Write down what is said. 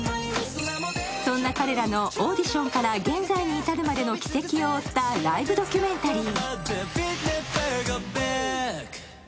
そんな彼らのオーディションから現在に至るまでの軌跡を追ったライブドキュメンタリー。